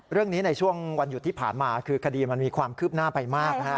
เรื่องนี้ในช่วงวันหยุดที่ผ่านมาคือคดีมันมีความคืบหน้าไปมาก